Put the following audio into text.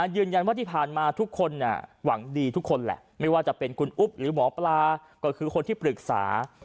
ยืนยันว่าที่ผ่านมาทุกคนหวังดีทุกคนแหละไม่ว่าจะเป็นคุณอุ๊บหรือหมอปลาก็คือคนที่ปรึกษา